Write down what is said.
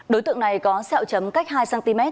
đối tượng này có sẹo chấm cách hai cm